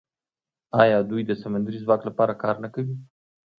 آیا دوی د سمندري ځواک لپاره کار نه کوي؟